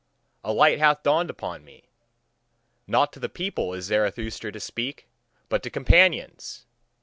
A light hath dawned upon me. Not to the people is Zarathustra to speak, but to companions!